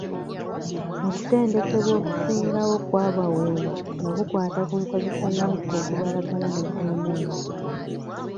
Okutendekebwa okusingawo kwa bawebwa nga kukwata ku nkozesa y'omukka ogubalagala ne guluneedi.